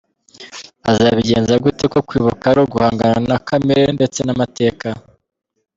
Azabigenza gute ko kwibuka ari uguhangana na kamere ndetse n’amateka ?